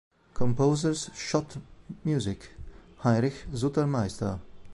Composers Schott-Music: Heinrich Sutermeister